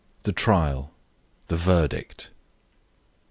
THE TRIAL THE VERDICT.